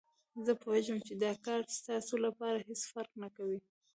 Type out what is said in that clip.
زه پوهېږم چې دا کار ستاسو لپاره هېڅ فرق نه کوي.